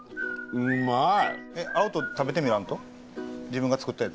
うまい！